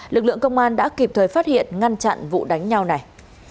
lực lượng công an đã kịp thời phát hiện ngăn chặn vụ đánh nhau này